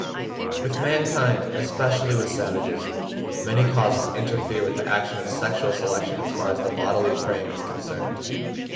With mankind, especially with savages, many causes interfere with the action of sexual selection as far as the bodily frame is concerned.